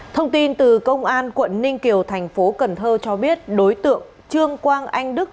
thông tin từ công an quận ninh kiều thành phố cần thơ cho biết đối tượng trương quang anh đức